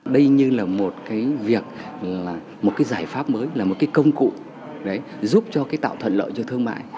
đây như là một cái việc là một cái giải pháp mới là một cái công cụ giúp cho cái tạo thuận lợi cho thương mại